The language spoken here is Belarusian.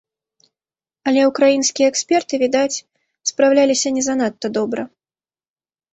Але ўкраінскія эксперты, відаць, справіліся не занадта добра.